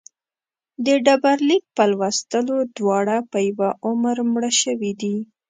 د ډبرلیک په لوستلو دواړه په یوه عمر مړه شوي دي.